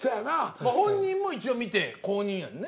まあ本人も一応見て公認やんね。